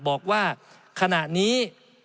บอกว่าขณะนี้